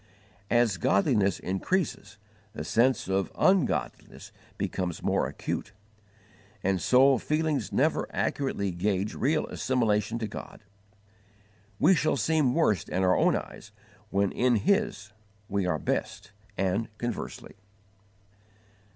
As godliness increases the sense of ungodliness becomes more acute, and so feelings never accurately gauge real assimilation to God. We shall seem worst in our own eyes when in His we are best, and conversely.